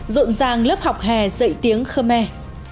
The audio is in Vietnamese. rộn ràng lớp học hè dạy tiếng khmer